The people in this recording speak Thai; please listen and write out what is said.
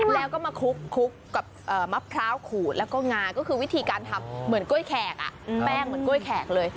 แล้วก็มาคลุกกับมะพร้าวขูดแล้วก็งาก็คือวิธีการทำเหมือนกล้วยแขกแป้งเหมือนกล้วยแขกเลย